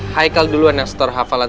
haikal duluan yang seterhafalan